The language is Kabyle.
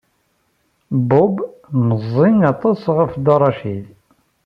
Bob meẓẓiy aṭas ɣef Dda Racid.